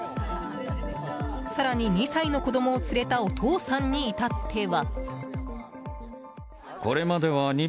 更に、２歳の子供を連れたお父さんに至っては。